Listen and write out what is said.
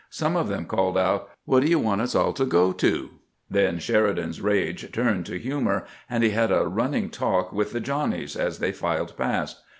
Some of them called out :" Wha' do you want us all to go to ?" Then Sheridan's rage turned to humor, and he had a running talk with the " Johnnies " as they filed past.